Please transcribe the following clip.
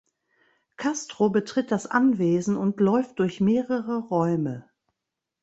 Castro betritt das Anwesen und läuft durch mehrere Räume.